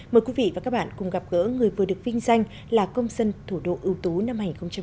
mời quý vị và các bạn cùng gặp gỡ người vừa được vinh danh là công dân thủ đô ưu tú năm hai nghìn một mươi chín